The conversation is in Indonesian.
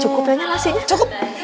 cukup ya nya lasi cukup